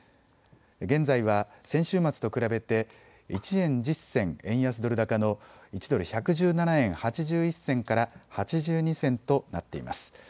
現在は先週末と比べて１円１０銭円安ドル高の１ドル１１７円８１銭から８２銭となっています。